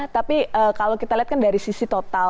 tapi kalau kita lihat kan dari sisi total